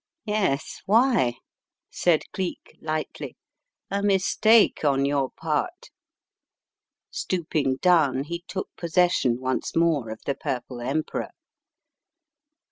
"Yes, why?" said Cleek, lightly, "a mistake on jyour part." Stooping down he took possession once more of the Purple Emperor.